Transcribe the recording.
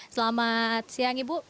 selamat siang ibu